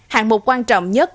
hạng mục quan trọng nhất